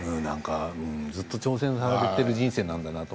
ずっと挑戦されている人生なんだなと。